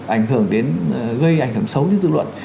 ảnh hưởng đến gây ảnh hưởng xấu đến dư luận